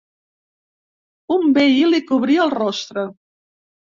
Un vel li cobria el rostre.